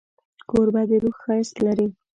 کوربه د روح ښایست لري.